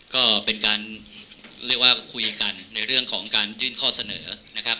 ก็เป็นการเรียกว่าคุยกันในเรื่องของการยื่นข้อเสนอนะครับ